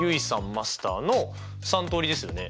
マスターの３通りですよね。